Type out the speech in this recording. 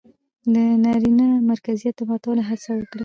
د نرينه مرکزيت د ماتولو هڅه وکړه